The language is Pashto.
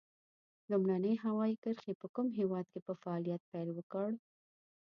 لومړنۍ هوایي کرښې په کوم هېواد کې په فعالیت پیل وکړ؟